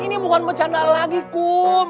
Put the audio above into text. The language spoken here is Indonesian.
ini bukan bercanda lagi ku